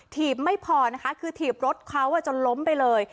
ทีบไม่พอคือทีบรถเขาจะล้มไปเลย